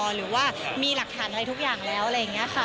หรือว่ามีหลักฐานอะไรทุกอย่างแล้วอะไรอย่างนี้ค่ะ